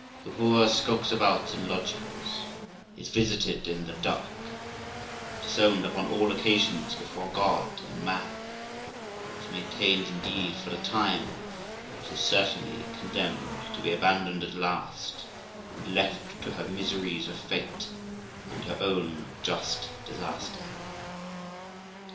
The whore skulks about in lodgings, is visited in the dark, disowned upon all occasions before God and man; is maintained, indeed, for a time, but is certainly condemned to be abandoned at last, and left to the miseries of fate and her own just disaster.